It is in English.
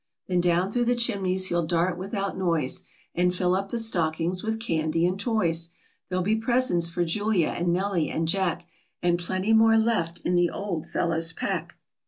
Th en down through the chimneys he'll dart without noise, And fill up the stockings with candy and toys. There'll be presents for Julia, and Nellie, and Jack, And plenty more left in the old fellow's pack.